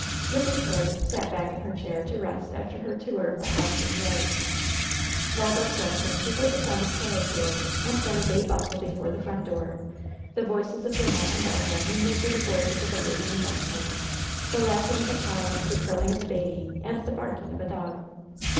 Mrs. Force sat back in her chair to rest after her tour of the house and yard. While thus resting she heard the sound of carriage wheels, and then a gay bustle before the front door, the voices of Wynnette and Elva mingled with the voices of a lady and gentleman, the laughing of a child, the crow ing of a hahjy and the barking of a dog.